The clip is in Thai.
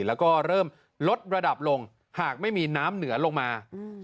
แล้วก็เริ่มลดระดับลงหากไม่มีน้ำเหนือลงมา